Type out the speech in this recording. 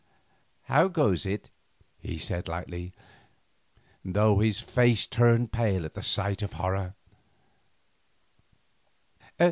"How goes it?" he said lightly, though his face turned pale at the sight of horror.